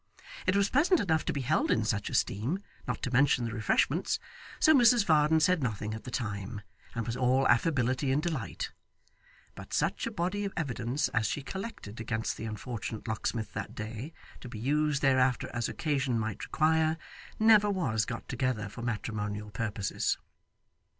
It was pleasant enough to be held in such esteem, not to mention the refreshments; so Mrs Varden said nothing at the time, and was all affability and delight but such a body of evidence as she collected against the unfortunate locksmith that day, to be used thereafter as occasion might require, never was got together for matrimonial purposes.